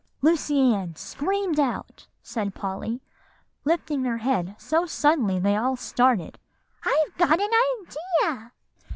"Lucy Ann screamed out," said Polly, lifting her head so suddenly they all started, "'I've got an idea!